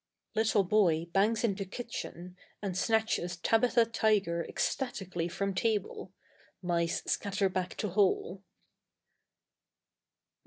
(Little boy bangs into kitchen and snatches Tabitha Tiger ecstatically from table. Mice scatter back to hole.)